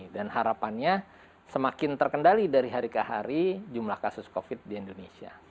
dan harapannya semakin terkendali dari hari ke hari jumlah kasus covid sembilan belas di indonesia